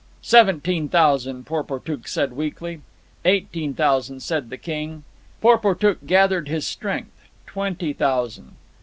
"Seventeen thousand," Porportuk said weakly. "Eighteen thousand," said the king. Porportuk gathered his strength. "Twenty thousand."